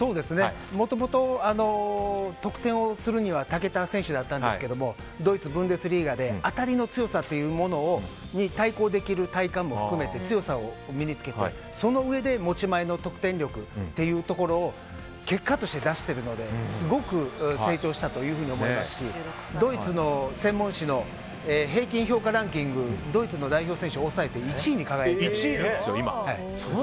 もともと得点をするにはたけた選手だったんですけどドイツ・ブンデスリーガで当たりの強さというものに対抗できる体幹も含めて強さを身に付けてそのうえで持ち前の得点力というところを結果として出しているのですごく成長したと思いますしドイツの専門誌の平均評価ランキングドイツの代表選手を抑えて１位に輝いています。